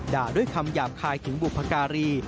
ด่าด้วยคำหยาบคายถึงบุพการี